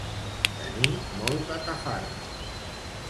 Tenir molta tafarra.